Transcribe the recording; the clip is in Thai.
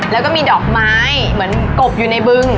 แล้วก็มีดอกไม้เหมือนกบอยู่ในบึง